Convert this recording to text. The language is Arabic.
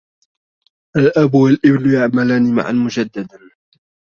الأب و الإبن يعملان معا مجدّدا.